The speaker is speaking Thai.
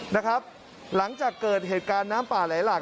หลังจากเกิดเหตุการณ์น้ำป่าไหลหลาก